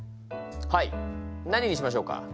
はい何にしましょうか？